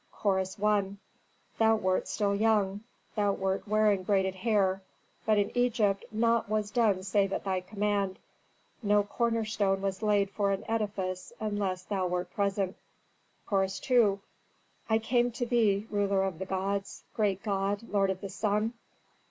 Chorus I. "Thou wert still young, thou wert wearing braided hair, but in Egypt naught was done save at thy command no corner stone was laid for an edifice unless thou wert present." Chorus II. "I came to Thee, ruler of the gods, great god, lord of the sun.